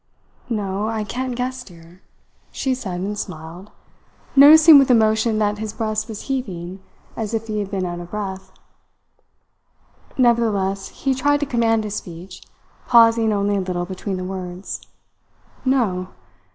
"No, I can't guess, dear," she said, and smiled, noticing with emotion that his breast was heaving as if he had been out of breath. Nevertheless, he tried to command his speech, pausing only a little between the words. "No?